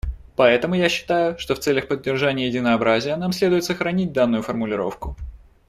Поэтому я считаю, что в целях поддержания единообразия нам следует сохранить данную формулировку.